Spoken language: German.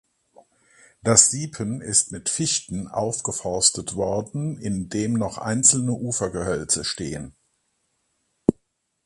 Das Siepen ist mit Fichten aufgeforstet worden in dem noch einzelne Ufergehölze stehen.